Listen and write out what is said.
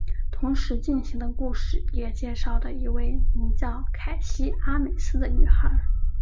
同时进行的故事也介绍的一位名叫凯西阿美斯的女孩。